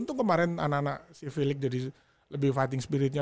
itu kemarin anak anak si felix jadi lebih fighting spiritnya